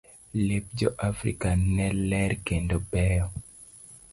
Lep jo Afrika ne ler kendo beyo.